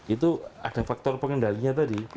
itu ada faktor pengendalinya tadi